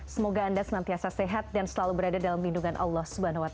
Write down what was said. semoga anda senantiasa sehat dan selalu berada dalam lindungan allah swt